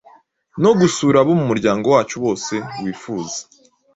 no gusura abo mu muryango wacu bose wifuza;